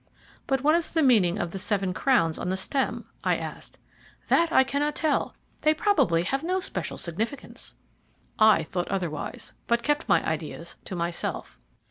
"But what is the meaning of the seven crowns on the stem?" I asked. "That I cannot tell. They have probably no special significance." I thought otherwise, but kept my ideas to myself.